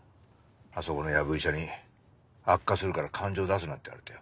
あそこのヤブ医者に「悪化するから感情出すな」って言われてよ。